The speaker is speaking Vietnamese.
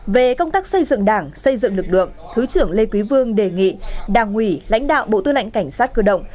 về công tác xây dựng đảng xây dựng lực lượng thứ trưởng lê quý vương đề nghị đảng ủy lãnh đạo bộ tư lệnh cảnh sát cơ động